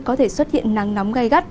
có thể xuất hiện nắng nóng gai gắt